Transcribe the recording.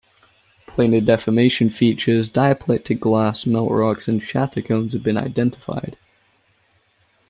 Planar deformation features, diaplectic glass, melt rocks, and shatter cones have been identified.